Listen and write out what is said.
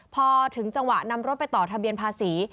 พอถึงจังหวะนำรถไปต่อทะเบียนภาษี